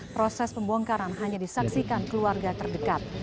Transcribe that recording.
proses pembongkaran hanya disaksikan keluarga terdekat